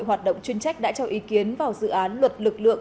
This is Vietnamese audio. hoạt động chuyên trách đã cho ý kiến vào dự án luật lực lượng